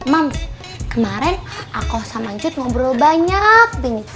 mam kemaren aku sama jut ngobrol banyak